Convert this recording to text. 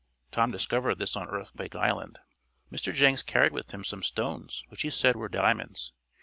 Tom discovered this on Earthquake Island. Mr. Jenks carried with him some stones which he said were diamonds.